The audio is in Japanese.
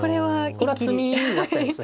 これは詰みになっちゃいます。